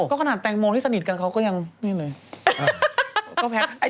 ก็ขนาดแตงโมที่สนิทกันเขาก็ยังนี่เลย